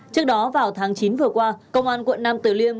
trước đó vào tháng chín vừa qua công an quận nam tử liêm